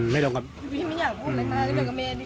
ไม่รู้กับคุณ